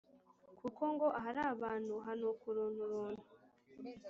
kuko ngo ahari abantu hanuka urunturuntu.